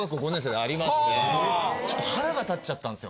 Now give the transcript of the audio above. ちょっと腹が立っちゃったんすよ。